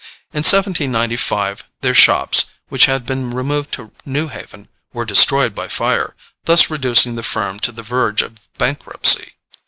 In 1795 their shops, which had been removed to New Haven, were destroyed by fire, thus reducing the firm to the verge of bankruptcy.